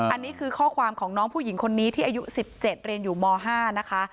อันนี้คือข้อความของน้องผู้หญิงคนนี้ที่อายุ๑๗เรียนอยู่ม๕นะคะ